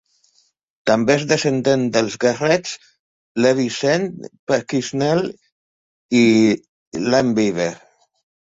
També és descendent dels Garretts, Levi Zendt, Pasquinel i Lame Beaver.